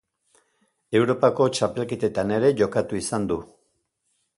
Europako txapelketetan ere jokatu izan du.